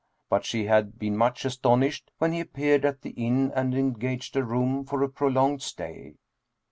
But she had been much astonished when he appeared at the inn and engaged a room for a prolonged stay.